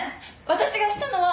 「私がしたのは」